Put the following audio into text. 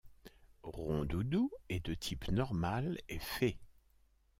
Rondoudou est de type normal et fée.